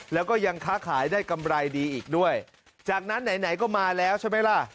แล้วก็ยังค้าขายได้กำไรดีอีกด้วยจากนั้นไหนไหนก็มาแล้วใช่ไหมล่ะ